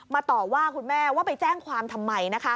ต่อว่าคุณแม่ว่าไปแจ้งความทำไมนะคะ